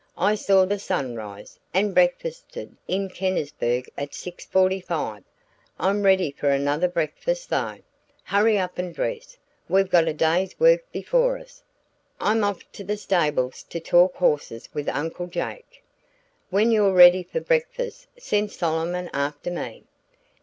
I saw the sun rise, and breakfasted in Kennisburg at six forty five. I'm ready for another breakfast though. Hurry up and dress. We've got a day's work before us. I'm off to the stables to talk 'horses' with Uncle Jake; when you're ready for breakfast send Solomon after me."